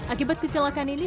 akibat kecelakaan ini